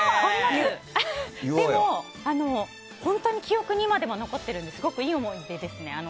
でも、本当に記憶に今でも残っていてすごくいい思い出ですね。